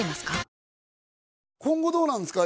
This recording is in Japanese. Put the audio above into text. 今後どうなんですか？